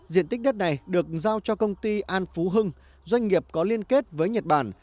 diện tích đất này được giao cho công ty an phú hưng doanh nghiệp có liên kết với nhật bản